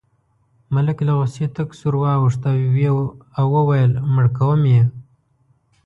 ملک له غوسې تک سور واوښت او وویل مړ کوم یې.